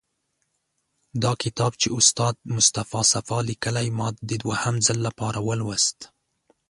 دا کتاب چې استاد مصطفی صفا لیکلی، ما د دوهم ځل لپاره ولوست.